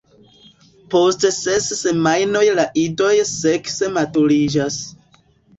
Post ses semajnoj la idoj sekse maturiĝas.